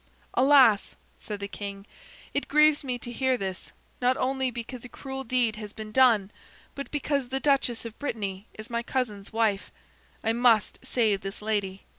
"Alas!" said the king. "It grieves me to hear this, not only because a cruel deed has been done, but because the duchess of Brittany is my cousin's wife. I must save this lady.